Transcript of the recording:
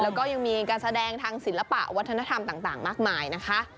แล้วก็ยังมีการแสดงทางศิลปะวัฒนธรรมต่างมากมายนะคะ